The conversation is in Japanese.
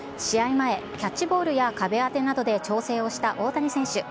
前、キャッチボールや壁当てなどで調整をした大谷選手。